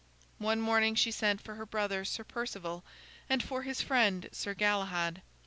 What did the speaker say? One morning she sent for her brother, Sir Perceval, and for his friend, Sir Galahad.